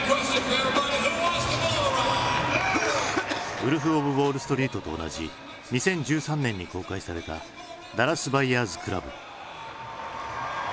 「ウルフ・オブ・ウォールストリート」と同じ２０１３年に公開された「ダラス・バイヤーズクラブ」。